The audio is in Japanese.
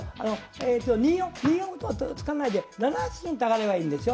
えと２四歩と突かないで７八金と上がればいいんでしょ？